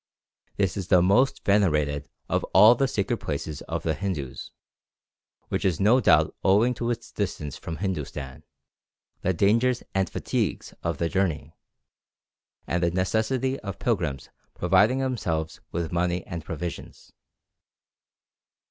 This is the most venerated of all the sacred places of the Hindus, which is no doubt owing to its distance from Hindustan, the dangers and fatigues of the journey, and the necessity of pilgrims providing themselves with money and provisions.